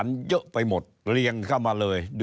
สวัสดีครับท่านผู้ชมครับ